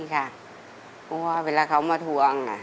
กลัวเวลาเขมาทวง